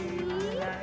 ini juga ada